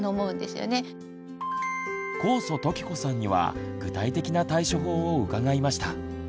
高祖常子さんには具体的な対処法を伺いました。